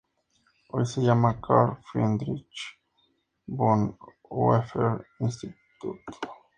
Hoy se llama Karl-Friedrich-Bonhoeffer-Institut.